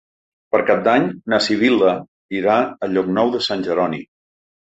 Per Cap d'Any na Sibil·la irà a Llocnou de Sant Jeroni.